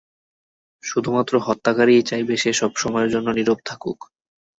শুধুমাত্র হত্যাকারীই চাইবে সে সবসময়ের জন্য নীরব থাকুক।